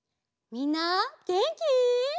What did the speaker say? みんなげんき？